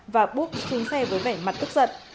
và búp xuống xe với vẻ mặt ức giận